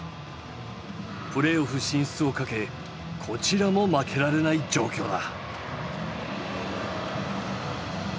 プレーオフ進出をかけこちらも負けられない状況だ。